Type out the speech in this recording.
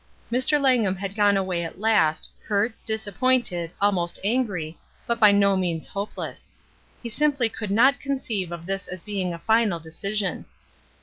Mr. Langham had gone away at last, hurt, disappointed, almost angry, but by no means hopeless. He simply could not conceive of this as being a final decision.